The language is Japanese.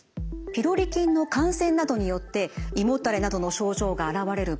ピロリ菌の感染などによって胃もたれなどの症状が現れる場合